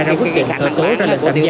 ra quyết định hợp tố ra lệnh tạm gia